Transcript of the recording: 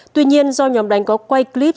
tuy nhiên do nhóm đánh có quay clip